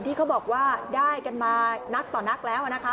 ที่เขาบอกว่าได้กันมานักต่อนักแล้วนะคะ